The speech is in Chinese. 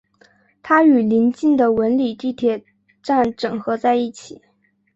它与临近的文礼地铁站整合在一起。